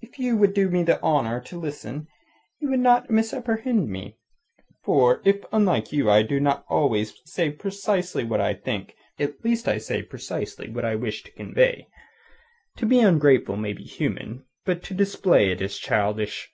"If you would do me the honour to listen, you would not misapprehend me. For if unlike you I do not always say precisely what I think, at least I say precisely what I wish to convey. To be ungrateful may be human; but to display it is childish."